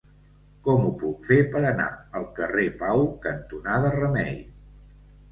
Com ho puc fer per anar al carrer Pau cantonada Remei?